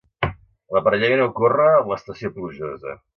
L'aparellament ocorre en l'estació plujosa.